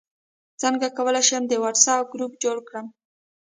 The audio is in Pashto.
څنګه کولی شم د واټساپ ګروپ جوړ کړم